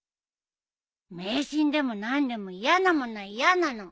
迷信でも何でも嫌なものは嫌なの。